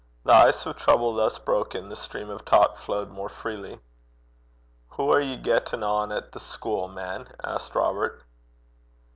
The ice of trouble thus broken, the stream of talk flowed more freely. 'Hoo are ye gettin' on at the schule, man?' asked Robert.